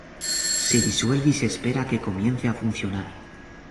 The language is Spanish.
Se disuelve y se espera a que comience a funcionar.